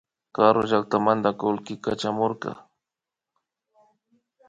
Karuy llaktamanta kullki kachamushka